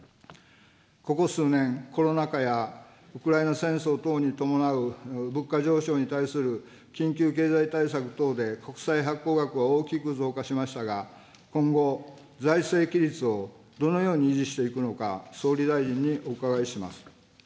ここ数年、コロナ禍やウクライナ戦争等に伴う物価上昇に対する緊急経済対策等で国債発行額は大きく増加しましたが、今後、財政規律をどのように維持していくのか、総理大臣にお伺いします。